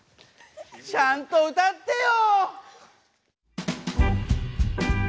ちゃんと歌ってよ！